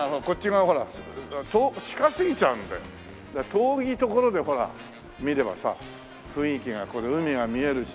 遠い所で見ればさ雰囲気が海が見えるし。